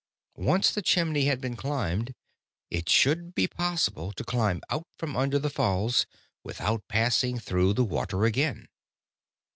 Once the chimney had been climbed, it should be possible to climb out from under the falls without passing through the water again.